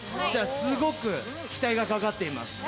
すごく期待がかかっています。